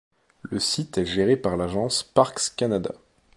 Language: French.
Le site est géré par l'agence Parcs Canada.